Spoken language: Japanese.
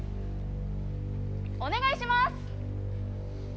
お願いします。